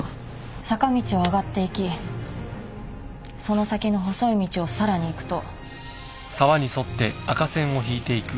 坂道を上がっていきその先の細い道をさらに行くと。